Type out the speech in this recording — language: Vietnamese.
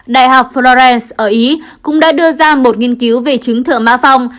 đại học florence ở ý cũng đã đưa ra một nghiên cứu về trứng thựa má phong